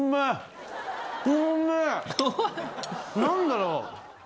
何だろう？